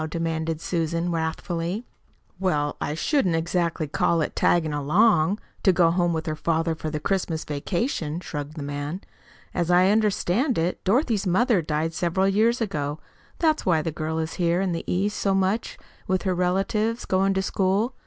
demanded Susan wrathfully. "Well, I shouldn't exactly call it 'taggin' along' to go home with her father for the Christmas vacation," shrugged the man. "As I understand it, Dorothy's mother died several years ago. That's why the girl is here in the East so much with her relatives, going to school.